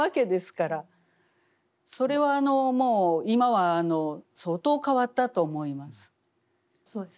それはもう今は相当変わったと思います。